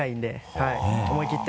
はい思い切って。